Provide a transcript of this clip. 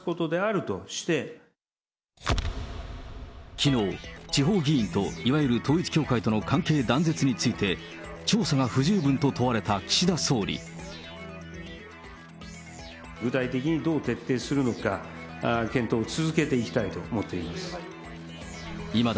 きのう、地方議員といわゆる統一教会との関係断絶について、調査が不十分具体的にどう徹底するのか、検討を続けていきたいと思っています。